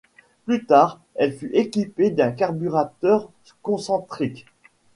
Plus tard elle fut équipée d'un carburateur Concentric.